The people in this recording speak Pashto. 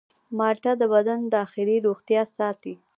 مالټه د بدن داخلي روغتیا ساتي.